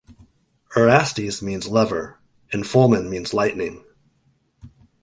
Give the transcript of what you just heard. Erastes means "lover" and Fulmen means "lightning".